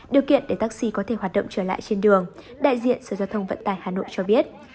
điều kiện để taxi có thể hoạt động trở lại trên đường đại diện sở giao thông vận tải hà nội cho biết